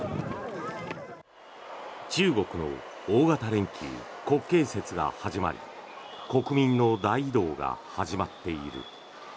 中国の大型連休国慶節が始まり国民の大移動が始まっている。